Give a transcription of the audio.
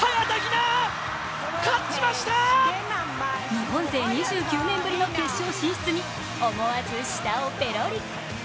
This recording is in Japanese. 日本勢２９年ぶりの決勝進出に思わず舌をペロリ。